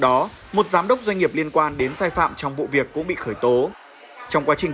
đó một giám đốc doanh nghiệp liên quan đến sai phạm trong vụ việc cũng bị khởi tố trong quá trình